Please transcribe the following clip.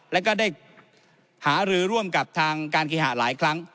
แล้วก็ได้หารือร่วมกับทางการเคหะหลายครั้ง